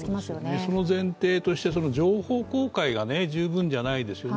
その前提として情報公開が十分じゃないですよね。